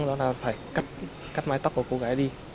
đó là phải cắt mái tóc của cô gái đi